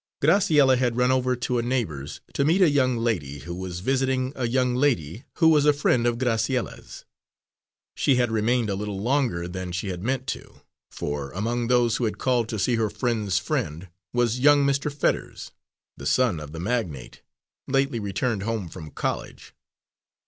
Graciella had run over to a neighbour's to meet a young lady who was visiting a young lady who was a friend of Graciella's. She had remained a little longer than she had meant to, for among those who had called to see her friend's friend was young Mr. Fetters, the son of the magnate, lately returned home from college.